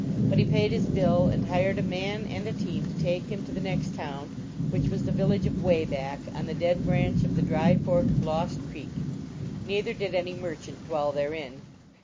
But he paid his bill, and hired a man and a team to take him to the next town, which was the village of Wayback, on the Dead Branch of the Dry Fork of Lost Creek. Neither did any merchant dwell therein.